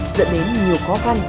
dẫn đến nhiều khó khăn